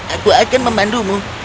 aku akan membanduhmu